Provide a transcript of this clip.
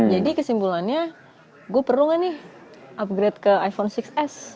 jadi kesimpulannya gue perlu gak nih upgrade ke iphone enam s